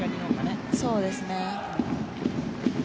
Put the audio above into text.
そうですね。